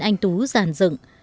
anh tú giàn dựng